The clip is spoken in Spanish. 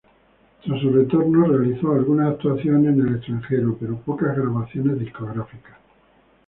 Tras su retorno realizó algunas actuaciones en el extranjero, pero pocas grabaciones discográficas.